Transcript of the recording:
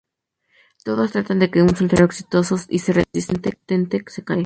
Todos tratan de que un soltero exitoso y resistente se case.